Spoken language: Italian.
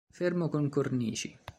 Fermo con cornici".